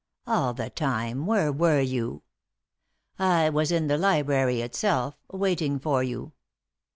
All the time, where were you ?"" I was in the library itself, waiting for you."